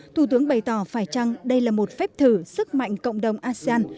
thủ tướng bày tỏ phải chăng đây là một phép thử sức mạnh cộng đồng asean